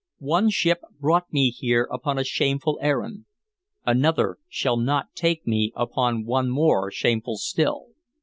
One ship brought me here upon a shameful errand; another shall not take me upon one more shameful still."